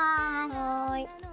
はい。